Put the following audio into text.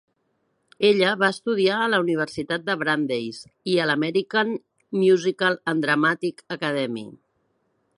Ella va estudiar a la Universitat de Brandeis i a l'American Musical and Dramatic Academy.